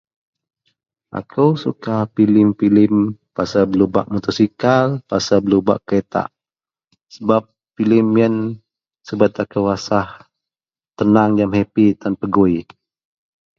Aku suka filem-filem pasal berlumba motosikal pasal berlumba kereta sebab filem yian subat aku rasa tenang jegam happy tan pegui.